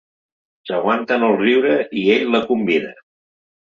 S'aguanten el riure i ell la convida.